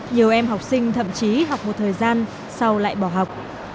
nhiều em học sinh thậm chí học một thời gian sau lại bỏ học